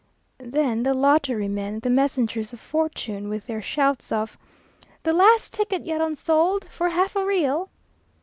Then the lottery men, the messengers of Fortune, with their shouts of "The last ticket yet unsold, for half a real!"